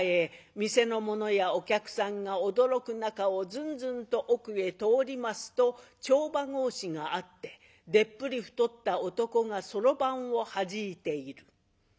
店の者やお客さんが驚く中をずんずんと奥へ通りますと帳場格子があってでっぷり太った男がそろばんをはじいている。